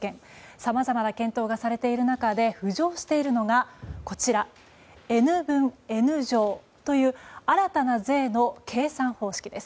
さまざまな検討がされている中で浮上しているのがＮ分Ｎ乗という新たな税の計算方式です。